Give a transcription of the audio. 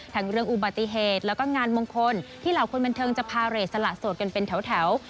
ทั้งเรื่องอุบัติเหตุแล้วก็งานมงคลที่เหล่าคนบันเทิงจะพาเรทสละโสดกันเป็นแถว